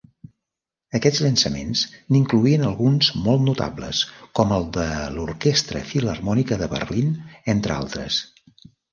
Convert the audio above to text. Aquests llançaments n'incloïen alguns molt notables com el de l'Orquestra Filharmònica de Berlín entre altres.